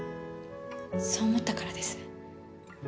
そう思ったからです。